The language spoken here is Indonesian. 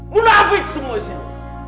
munafik semua sih